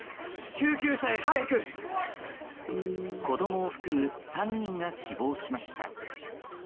子供を含む３人が死亡しました。